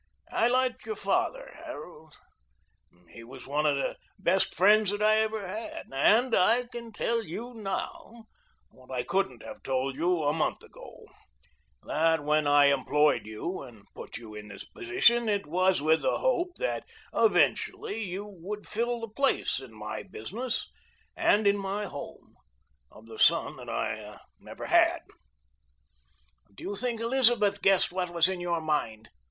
I liked your father, Harold. He was one of the best friends that I ever had, and I can tell you now what I couldn't have you a month ago: that when I employed you and put you in this position it was with the hope that eventually you would fill the place in my business and in my home of the son I never had." "Do you think Elizabeth guessed what was in your mind?"